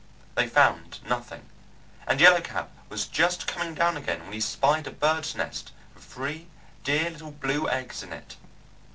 They found nothing, and Yellow Cap was just coming down again when he spied a bird's nest with three dear little blue eggs in it.